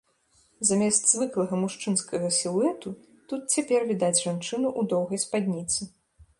Замест звыклага мужчынскага сілуэту тут цяпер відаць жанчыну ў доўгай спадніцы.